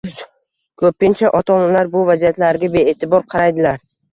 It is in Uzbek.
Ko‘pincha ota-onalar bu vaziyatlarga bee’tibor qaraydilar